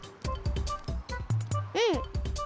うん！